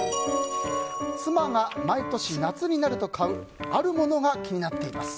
妻が毎年夏になると買うあるものが気になっています。